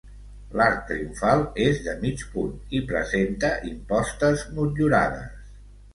L'arc triomfal és de mig punt i presenta impostes motllurades.